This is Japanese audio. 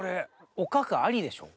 おかかありでしょ？